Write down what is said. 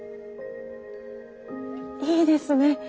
いいですね！